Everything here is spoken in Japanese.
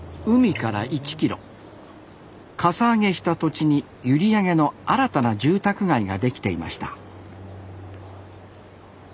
かさ上げした土地に閖上の新たな住宅街が出来ていました